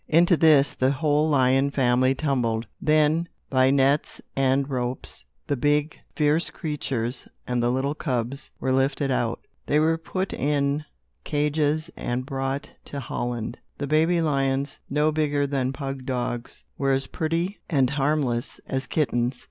Into this, the whole lion family tumbled. Then, by nets and ropes, the big, fierce creatures and the little cubs were lifted out. They were put in cages and brought to Holland. The baby lions, no bigger than pug dogs, were as pretty and harmless as kittens.